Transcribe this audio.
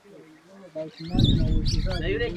mapigano makubwa ya kwanza Waingereza walishinda lakini